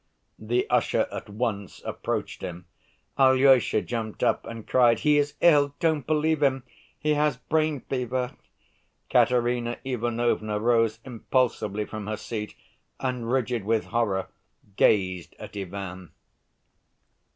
The usher at once approached him. Alyosha jumped up and cried, "He is ill. Don't believe him: he has brain fever." Katerina Ivanovna rose impulsively from her seat and, rigid with horror, gazed at Ivan.